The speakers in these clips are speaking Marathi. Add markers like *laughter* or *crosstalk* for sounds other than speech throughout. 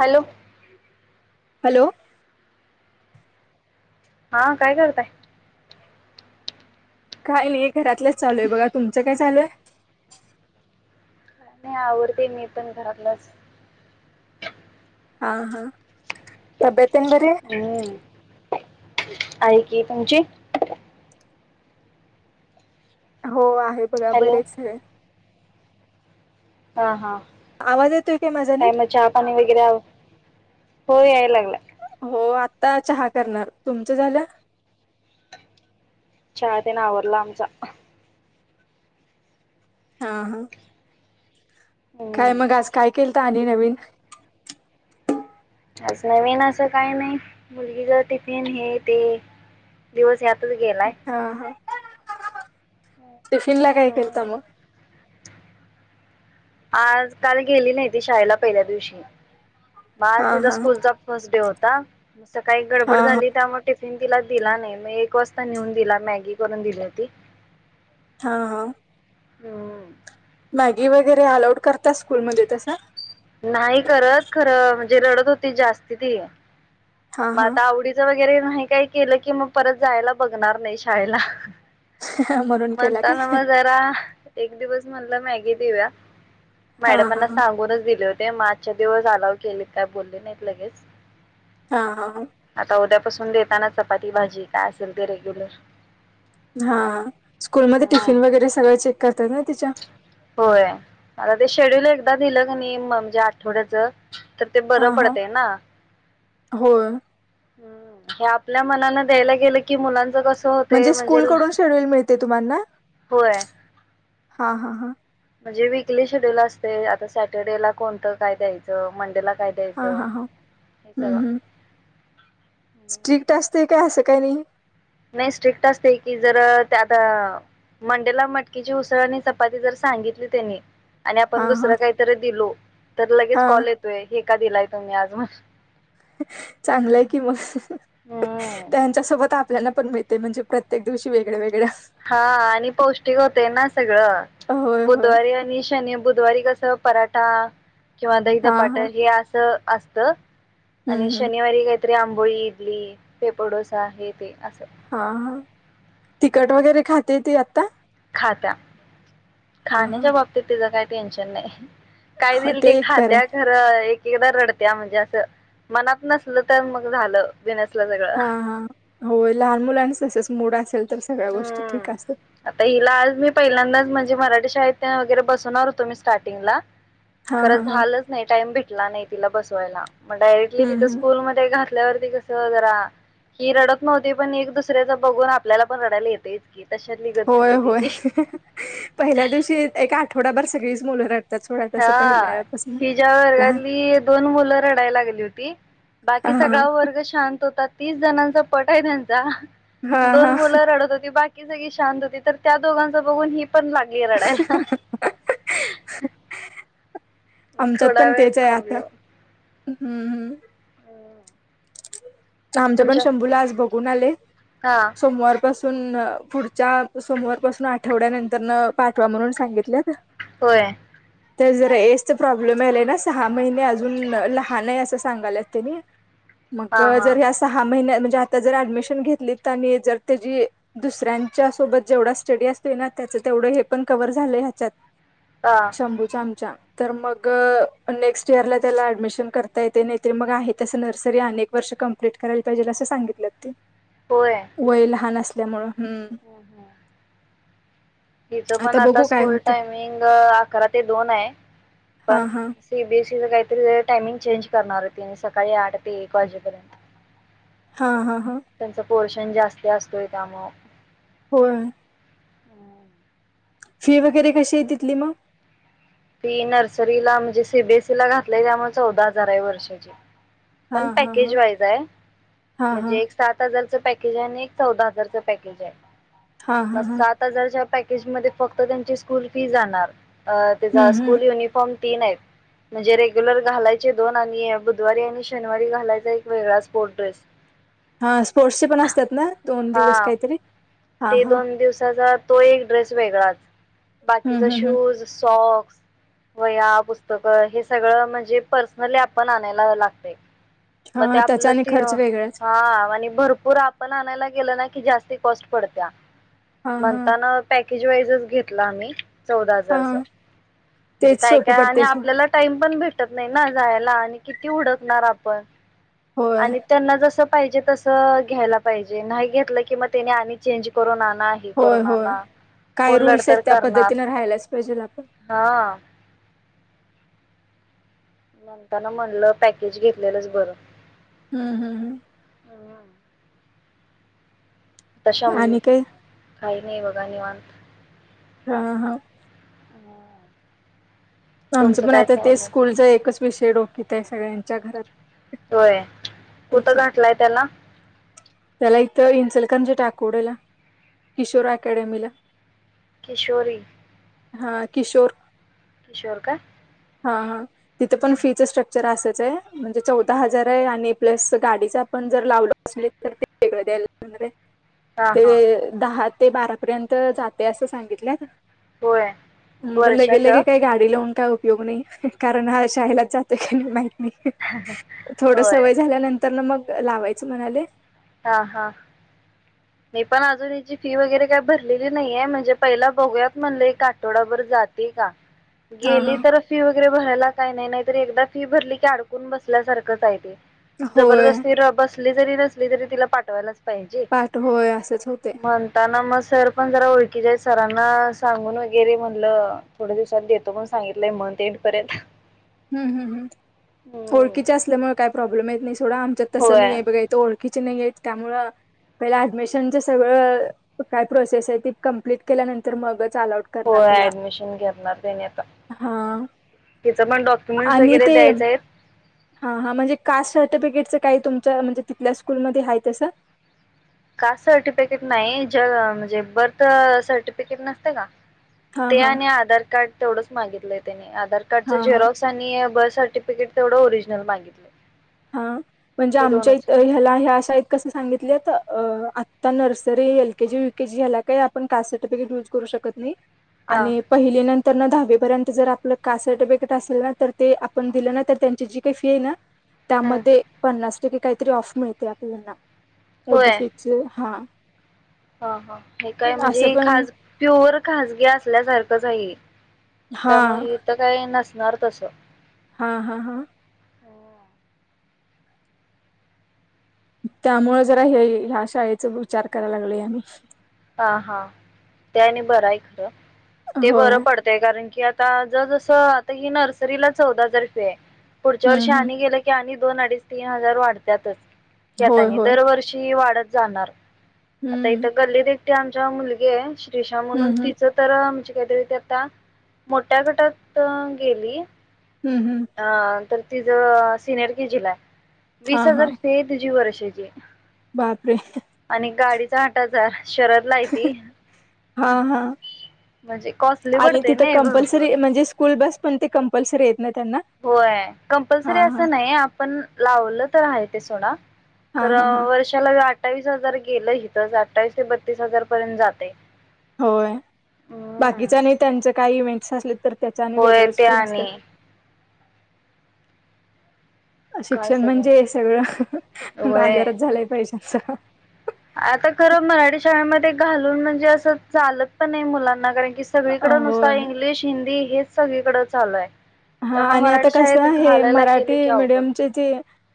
हॅलो हॅलो हा काय करताय काय नाही घरातलंच चालू आहे बघा तुमचं काय चालू आहे आवरतीये मी पण घरातलच हा हा तबेत पन बर हम्म आहे की तुमची हो आहे हे बघा हॅलो बरेच आहे हा हा आवाज येतोय माझा काय नीट मग चहा पाणी वगैरे हो याय लागला हो आता चहा करणार तुमच झालं तेन आवरला आमचा हा हा काय हम्म मग आज काय केलं ली नवीन आज नवीन असं काही नाही मुलगी ज टिफिन हे ते दिवस या हा हा टिफिन ला काही हम्म केलता मग आज काल गेली नाहीती शाळेला पहिल्या दिवशी मग आज हा तिचा हा स्कूलचा फर्स्ट डे होता काही हा गडबड हा झाली त्यामुळे तिला दिला नाही म एक वाजता नेऊन दिला मॅगी करून दिली ती हा हा हो मॅगी वगैरे अलाऊड करता स्कूलमध्ये तस नाही करत खरं म्हणजे रडत होती जास्ती ती हा मग आता हा आवडीच वगैरे नाही काही केलं की मग परत जायला बघणार नाही शाळेला म्हणून केला म्हणता काय न म जरा एक दिवस म्हणला मॅगी देऊ्या हा हा मॅडमांना सांगूनच दिले होते ते मागच्या दिवस अलाव केलेत काय बोलले नाहीत लगेच हा हा पासून देताना चपाती भाजी काय असेल ते रेग्युलर हा स्कूलमध्ये हां. टिफिन वगैरे सगळं चेक करतात ना तिच्या होय आता ते शेड्यूल एकदा दिलं क नाही म्हणजे आठवड्याच तर ते बरं पडते ना हो हे आपल्या मनान द्यायला गेलं कि मुलांच कसं होते म्हणजे, ल स्कूलकडून शेड्यूल मिळतं. ते तुम्हाना होय. हा हा हा. म्हणजे वीकली शेड्यूल असतयं. आता सॅटर्डेला कोणतं काय द्यायचं? मंडेला काय हा हा द्यायचं हा हे हम्म सगळं. हम्म! हं. स्ट्रिक्ट असते काय? असं काही नाही. नाही स्ट्रिक्ट असतयं की, जर आता मंडेला मटकीची उसळ आणि चपाती जर सांगितली त्यांनी आणि हा आपण हा दुसरं काहीतरी दिलो तर लगेच हा कॉल येतोय. हे का दिलाया? तुम्ही आज म चांगलंय कि, मग हम्म. त्यांच्या सोबत आप आपल्याला पण मिळते, म्हणजे प्रत्येक दिवशी वेगळया वेगळ्या. हा आणि पौष्टिक होतयं ना सगळं होय होय बुधवारी आणि शनी, बुध बुधवारी कसं पराठा किंवा दही हा धपाट हा हे असं असतं. आणि हम्म हम्म शनिवारी काय? आंबोळी, इडली, पेपर डोसा हे ते असं हा हा तिकट वगैरे खाते ती आता. *unintelligible* हा खाण्याच्या हा बाबतीत तिचं काय नाही. टेन्शन नाही. काय दिल ते एक बरं खात्या आहे खरं एकदा रडत्या म्हणजे, असं मनात नसलं तर मग झालं. बिनसल सगळं. हा हा होय, लहान मुलांनाच तसचं मूड असेल तर सगळ्या ह गोष्टी ह ठीक असतात आता हिला आज मी पहिल्यांदाच म्हणल मराठी शाळेत तेन वगैरे बसवणार होतो, मी स्टार्टिंगला. हा खरं हा हा झालंच नाही. टाइम बी ला नाही तिला बसवायला. मग डायरेक्टली हम्म तिथं हम्म स्कूलमध्ये घा बसल्या वरती कस जरा हि रडत नव्हती, पण एक दुसऱ्याच बघून आपल्याला पण रडायला येतयच की तशातली गत होय झाली होय तिची. पहिल्या दिवशी एका आठवड्याभर सगळी मु *unintelligible* हा हि ज्या लहान वर्गातली दोन मुलं रडायला लागली होती बाकी हा सगळा वर्ग शांत होतात तीस जणांचा पट आहे त्यांचा हा दोन हा मुलं रडत होती बाकी ती सगळी शांत होती तर त्या दोघांचा बघून ही पण लागली रडायला आमच्यात थोडा पण वेळ तेच आहे आता थांबलो. हम्म हम्म आमच्या पण तुमच्या शंभूला आज बघून आलय हा सोमवारपासून तून पुढच्या सोमवार पासून आठवड्यानंतर न पाठवा म्हणून सांगितलेत होय तर जरा एज च प्रॉब्लेम आहेलाय ना सहा महिने अजून लहान आहे असं सांगालात त्यांनी मग हा हा. जर र्या सहा महिनत आता जर ऍडमिशन घेतलीत आणि जर त्या दुसऱ्यांच्या सोबत जेवढ स्टडी असते ना त्याच तेवढ हे पण कव्ह झालं ह्याच्यात हा शंभूचा आमचा तर मग नेक्स्ट इयरला त्याला ऍडमिशन करता येते नाही ते मग आहे तसं नर्सरी अनेक वर्ष कं डीलीट करायला पाहिजे असं सांगितलं ते वय लहान अस त्यामुळ हो हो. तिच पण आता बघू काय स्कूल होते टायमिंग अकरा ते दोन आहे हा पण हा सीबीएसईच काही टाइमिंग चेंज करणार होती आणि सकाळी आठ ते एक वाजेपर्यंत. हा हा. हा त्यांच पोर्शन जास्ती असतोय त्या मग होय. हम्म. फी वगैरे कशी आहे तिथली मग फी नर्सरीला म्हणजे सीबीएसई ला घातलाय त्यामुळे चौदा हजार आहे वर्षाची. हा पण हा हा पॅकेज वाईज आहे. हा हा म्हणजे एक साथ हजारच पॅकेज आहे आणि एक चौदा हजारचं पॅकेज आहे. हा म हा हा सात हजारच्या प मग फक्त त्यांची स्कूल फी जाणार. अ त्याझा हम्म हम्म स्कूल युनिफॉर्म तीन आहेत म्हणजे रेग्युलर घालायचे दोन आणि बुधवारी आणि शनिवारी घालायचा एक वेगळा स्पोर्ट ड्रेस. हा स्पोर्ट्सचे पण असतात ना दोन दिवस हां काहीतरी, हा ते हा दोन दिवसात तो एक ड्रेस वेगळाच. हम्म बाकीचा हम्म हम्म शूज सॉक, वह्या, पुस्तकं हे सगळं म्हणजे पर्सनली आपण आणायला लागतय. मग ते हा त्याचा आपलं आणि ते खर्च हा. वेगळाच आणि भरपूर आपण आणायला केल ना की जास्ती कॉस्ट पडत्या. हा हा म्हणता ना पॅकेज वाईजच घेतला आम्ही. चौदा हा हजारच, म्हणजे तेच काय सोपं काय आणि पडतेच आपल्याला टाइम पण भेटत नाही ना जाय णिनी किती हूडकणार आपण. होय आणि त्यांना जस पायजे तस घ्यायला पाहिजे नाही घेतलं की मग त्यानी आणि चेंज करून आणा हे होय करून होय आणा काय कोण रूल्स आहेत लडतर त्या करणार पद्धतीने राहायलाच पाहिजेल आपण हा. म्हणताना म्हणलं पॅकेज घेतलेलंच बरं हम्म हम्म हम्म तशम आणि काय काय नाही बघा निवांत हा हा आमच तुमचं पण काय आता ते चाललंय स्कूलच एकच विषय डोक्यात आहे सगळ्यांच्या घरात होय कुठं त्याच्या घातलाय त्याला त्याला इथं इचलकरंजी तकवडे ला किशोर अकॅडमीला किशोरी हा किशोर किशोर का हा हा तिथ पण फी स्ट्रक्चर स्ट्रक्चर असच आहे म्हणजे चौदा हजार आहे आणि प्लस गाडीच आपण जर लावलो असल तर ते वेगळं द्यायला लागतय हा हा ते दहा. ते बारापर्यंत जाते असं सांगितलंत होय मग लगे वर्षाच लगे काय गाडी लावून काय योग नाही कारण हा शाळेलाच जातोय *unintelligible* होय. त्यानंतर ना मगं लावायचं म्हणालोय? हा हा. मी पण अजून हेची फी वगैरे काही भरलेली नाहीये, म्हणजे पहिला बघूयात म्हणलं एक आठवडाभर जाते का हा गेली हा तर फी वगैरे बरायला काही नाही नाही तरी एकदा फी भरली की अडकून बसल्यासारखंचय ते होय जबरदस्ती बस जरी नसली तिला पाठवायला पहिजे, पाठ होय असंच होते म्हणताना मगं सर पण जरा ओळखी सरांना सांगून वगैरे म्हणलं थोड्या दिवसात देतो पण सांगितलंय मथं येड पर्यंत. हम्म हम्म ओळखिच्या हम्म असल्यामुळे काही प्रॉब्लेम येत नाही सोडा. *inaudible* होय *unintelligible* हो करणार त्याला ऍडमिशन घेणार त्यांनी आता हा तिच डॉक्युमेंट्स आणि वगैरे ते द्यायचे आहेत हा हा म्हणजे कास्ट सर्टिफिकेटचं काही तुमच्या म्हणजे तिथल्या स्कूलमध्ये आहे तसं? का सर्टिफिकेट नाही ज म्हणजे बर्थ सर्टिफिकेट नसते का? हा ते हा आणि आधार कार्ड, तेवढंच मागितलंय त्यानी, आधार कार्डचा हा हा झेरॉक्स आणि आहे बस सर्टिफिकेट तेवढं ओरिजिनल मागितलं हा म्हणजे हे आमच्या दोनच इ ह्याला ह्या अशा इ कस सांगितल्यात? अ आत्ता नर्सरी एल केजी व केजी ह्याला काय आपण कास्ट सर्टिफिकेट युज करू शकत नाही, हा आणि पहिली नंतर, तर दहावीपर्यंत जर आपलं कास्ट सर्टिफिकेट असेल ना तर ते आपण दिलं ना तर त्यांची जी काही फी आहे ना हम्म त्यामध्ये पन्नास काहीतरी ऑफ मिळते आपल्याना ओबी होय सीच हा हा हा हे काय असं म्हणजे पण खज प्युअर खाजगी असल्यासारखंच आहे हा त्यामुळे इथं काय नसत नर्दश हा हा हा हो त्यामुळे जरा हे ह्या शाळेचा विचार करायला लागल आ हा हा त्या आणि बरं आहे खरं ते होय बरं पडतय कारण की आ आता ज जसं आता हि नर्सरीला चौदा हजार रुपया आहे पुढच्या हम्म वर्षी हम्म आण गे की आणि दोन अडीच तीन हजार वाढत्याातच ह आता होय होय दरवर्षी वाढत जाणार आता इ हम्म तर गल्ली दि आमच्या मुलगी षा म्हणून हम्म हम्म तिच तरज काहीतरी ते आता मोठ्या गटात गेली हम्म हम्म हा तर तिझं सिनियर कि जिला आहे वीस हा हा हजार दुजी वर्ष जी बापरे आणि गाडीचा आठा आजार शरद ला यती हा हा आणि तिथं कंपल्सरी म्हणजे स्कूल बस पण ते कंपल् शे होय कंपल्सरी असं नाही आपण लावल आहे ते सोड हा हा हा खरं वर्षाला अठ्ठावीस हजार गेलं हथच अठ्ठावीस ते बत्तीस हजार पर्यंत जाते होय बाकीच नाही त्यांच काही इव्हेट् असले तर त्याच्या आणि होय वेगळच ते फी आणि असतात काय शिक्षण सगळं म्हणजे सगळं होय. बाजारात झालंय पैशाच आता खरं मराठी शाळेमध्ये घालून म्हणजे असं चालत पण नाही मुलांना कारण की सगळीकड होय नुसतार इंग्लिश हिंदी हे सगळीकडें झालंय हा आणि आता कस हे गेलं की मराठी अवघड मिीडियमचे जे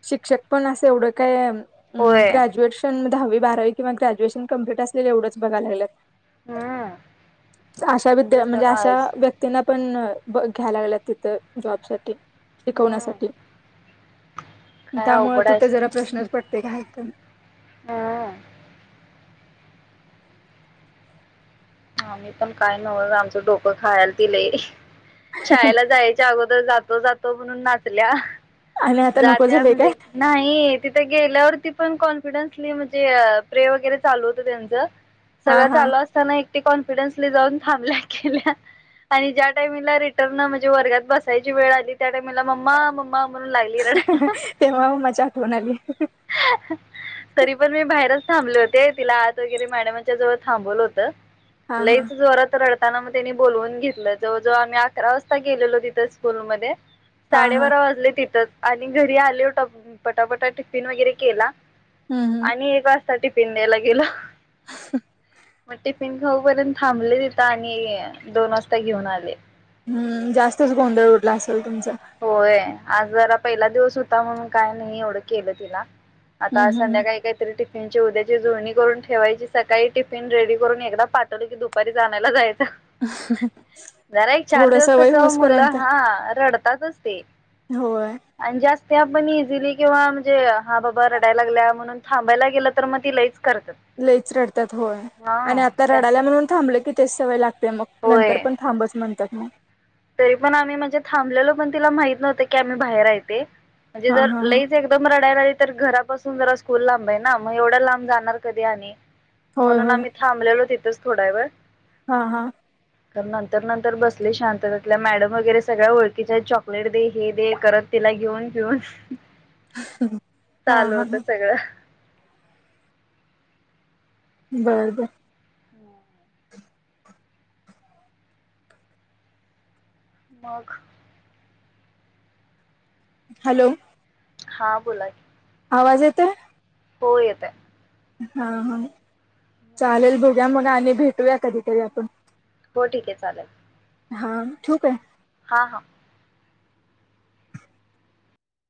शिक्षक पण असं एवढं काय होय ग्रॅज्युएशन मध्ये हवी बारा कंवा ग्रॅ्युएशन कंप्लीट असले एवंच बघा लागत हम्म. अशा ते विद्या म्हणजे तर अशा आहेच व्यक्तींना पण ब घ्यायला लागला तर जॉब साठी हम्म शिकवण्यासाठी काय त्यामु अवघड आहे तिथं जरा प्रश्नच पडत तेत हम ह मी पण काय नव्हत आमचं डोकं खायल ति लरी शाळेला जायच्या अगोदर जात तो जातो म्हणून नाचल्या आणि आता नको जात्या झाले काय म्हणजे नाही तिथं गेल्यावर ती पण कॉन्फिडन्सली म्हणजे प्रे वगैरे चालू होतं त्यांचं हा सगळं हा चालू असताना एक ते कॉन्फिडन्सली जाऊन थांबल्या केल्या आणि ज्या टायमिंगला रिटर्न म्हणजे वर्गात जाऊन बसायची वेळ आली त्या टायमिंगला मम्मा मम्मा म्ह णून लागली रडायला, तेव्हा माझी आठवण आली तरी पण मी बाहेरच थांबले होते तिला आत वगैरे मॅडमांच्या जवळ थांबवलं होतं हा हा लईच जोरात रड ताना मग त्यांनी बोलवून घेतलं, जवळ जवळ आम्ही अकरा वाजता गेलेलो तिथं स्कूल मध्ये हा हा साडेबारा वाजले तिथ च आणि घरी आले, पटापटा टिफिन वगैरे केला. हम्म हम्म आणि एक वाज या टिफीन द्यायला गेलो. म टीफी न खाऊपर्यंत थांबले तिथ आणि दोन वाजता घेऊन आले. हम्म जास्तच गोंधळ उडला असेल तुमचा होय आज जरा पहिला दिवस होता म्हणून काय नाही एवढं केलं तिला आता हम्म हम्म संध्याकाळी काहीतरी टि फीनची उद्याची जुळणी करून ठेवायची, सकाळी टिफिन रेडी करून एकदा पाठवलं की दुपारीच आणायला जायच. जरा एक चार थोडं दिवस सवय कस मुलं होसपर्यंत हा रड तातच ते होय त्या आपण इझिली किंवा म्हणजे हा बाबा रडायला लागल्या म्हणून थांबायला गेलं तर मग ती लईच करतात लईच रडतात होय आणि हा आता त्या रडाल्या म्हणून थांबलं की ते सवय लागली ते, मग नंतर होय पण थांबच म्हणत्यात मग तरी पण आम्ही म्हणजे थांबलेलो पण तिला माहित नव्हतं की आम्ही बाहेर आहे ते. म्हणजे हा जर हा हा लईच एकदम रडायला लाग तर घरापासून जरा स्कूल लांब आहे ना मग एवढ्या लांब जाणार कधी आणि होय म्हणून होय आम्ही थांबलेलो ति थच थोडावेळ हा हा. तर नंतर नंतर बसली शांत तिला मॅडम वगैरे सगळ्या ओळखीच्या आहेत चॉकलेट दे हे दे करत तिला घेऊन घेऊन हा चालू हा होतं हा सगळं. बरबरं मग हॅलो हा बोला की आवाज येतोय? हो येतंय. हा हा चालेल बघ्या मग आणि भेटूया कधी कधी आपण हो ठीक आहे चालेल हा ूप आहे हा हा